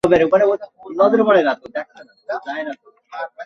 BJP এবং নরেন্দ্র মোদি ভোটারদের মধ্যে সেই বিশ্বাস তৈরি করতে পেরেছেন।